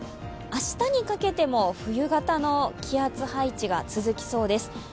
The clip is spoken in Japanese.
明日にかけても冬型の気圧配置が続きそうです。